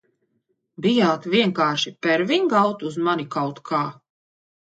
Bijāt vienkārši perving out uz mani kaut kā?